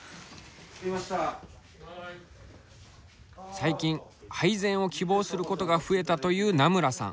最近配膳を希望することが増えたという名村さん。